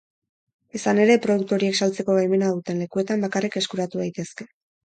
Izan ere, produktu horiek saltzeko baimena duten lekuetan bakarrik eskuratu daitezke.